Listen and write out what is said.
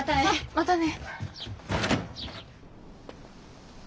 またね。